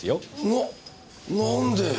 なっなんで。